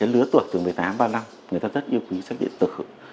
lứa tuổi từ một mươi tám ba mươi năm người ta rất yêu quý sách điện tử